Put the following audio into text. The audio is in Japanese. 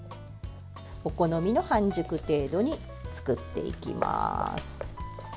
お好みの半熟程度に作っていきます。